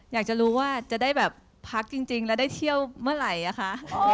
อยากจะรู้ว่าจะได้แบบพักจริงแล้วได้เที่ยวเมื่อไหร่อะคะ